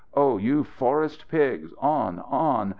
"Oh, you forest pigs! On, on!